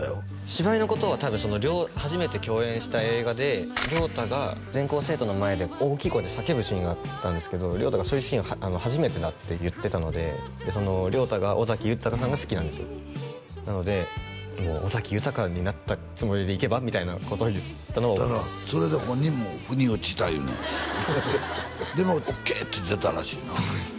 芝居のことは多分初めて共演した映画で太が全校生徒の前で大きい声で叫ぶシーンがあったんですけど太がそういうシーン初めてだって言ってたので太が尾崎豊さんが好きなんですよなので「尾崎豊になったつもりでいけば」みたいなことを言ったのをそれで本人もふに落ちた言うねんで「オッケー」って出たらしいなそうです